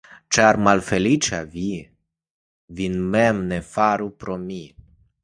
Ĉar malfeliĉa vi vin mem ne faru pro mi.